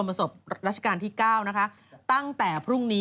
บอกว่ารอดูกันไป